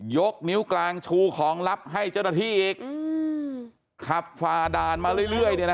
ยกนิ้วกลางชูของลับให้เจ้าหน้าที่อีกขับฝ่าด่านมาเรื่อย